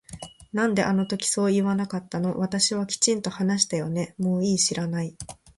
なんであの時そう言わなかったの私はきちんと話したよねもういい知らない